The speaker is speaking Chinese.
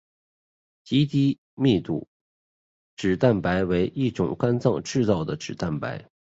极低密度脂蛋白为一种由肝脏制造的脂蛋白。